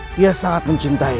dia sangat mencintai